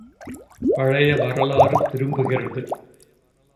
பழைய வரலாறு திரும்புகிறது!